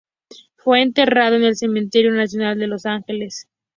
Fue enterrado en el Cementerio Nacional de Los Ángeles.